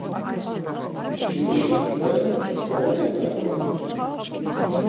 Şǩimi şuǩule xolo neǩna gonintzu.